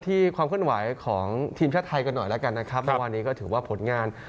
ที่ความคุ้นหวายของทีมชาติไทยกันหน่อยมาวันนี้ถือว่าผลงาน